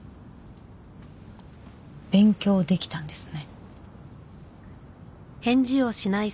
勉強できたんですね。